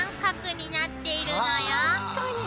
確かに！